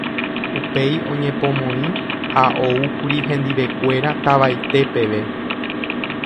Upéi oñepomoĩ ha oúkuri hendivekuéra tavaite peve.